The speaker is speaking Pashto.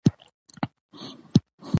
ښه خوند به وکړي چي راسی.